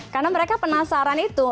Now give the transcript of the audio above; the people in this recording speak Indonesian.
karena mereka penasaran itu